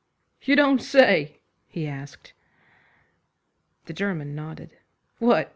"You don't say?" he asked. The German nodded. "What!